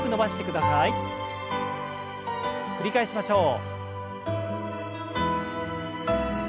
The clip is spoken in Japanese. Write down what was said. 繰り返しましょう。